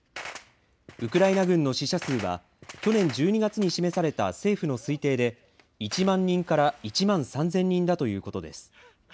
ウクライナ軍の死者数は、去年１２月に示された政府の推定で１万人から１万３０００人だということです。